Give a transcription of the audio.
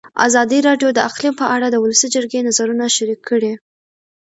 ازادي راډیو د اقلیم په اړه د ولسي جرګې نظرونه شریک کړي.